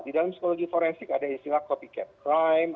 di dalam psikologi forensik ada istilah copycate crime